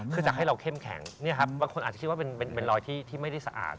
คือสักให้เราเข้มแข็งบางคนอาจจะคิดว่าเป็นรอยที่ไม่ได้สะอาด